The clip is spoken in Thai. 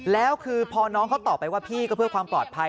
แล้วคือพอน้องเขาตอบไปว่าพี่ก็เพื่อความปลอดภัย